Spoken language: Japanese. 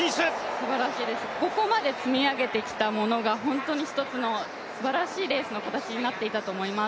すばらしいです、ここまで積み上げてきたものが本当に１つのすばらしいレースの形になっていたと思います。